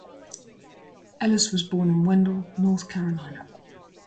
Ellis was born in Wendell, North Carolina.